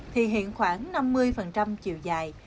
thì hiện khoảng năm mươi chiều dài